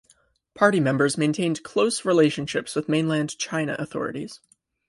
Party members maintained close relationships with Mainland China authorities.